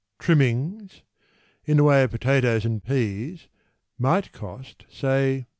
Trimmings In the way of potatoes and peas might cost, say, 6d.